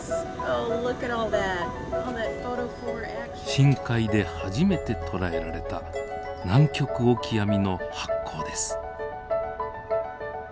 深海で初めて捉えられたナンキョクオキアミの発光です。